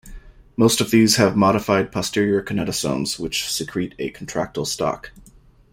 Most of these have modified posterior kinetosomes which secrete a contractile stalk.